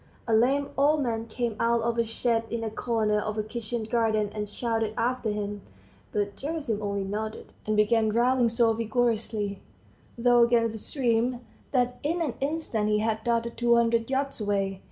A lame old man came out of a shed in the corner of a kitchen garden and shouted after him; but Gerasim only nodded, and began rowing so vigorously, though against stream, that in an instant he had darted two hundred yards way.